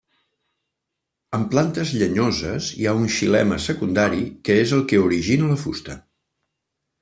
En plantes llenyoses hi ha un xilema secundari que és el que origina la fusta.